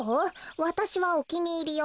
わたしはおきにいりよ。